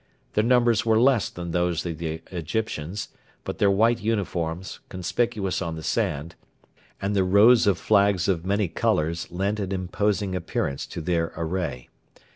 Their numbers were less than those of the Egyptians, but their white uniforms, conspicuous on the sand, and the rows of flags of many colours lent an imposing appearance to their array.